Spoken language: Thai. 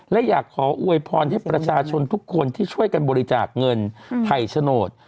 และอยากขออวยพรให้ประชาชนทุกคนที่ช่วยกันบริจาคเงินถ่ายโฉนด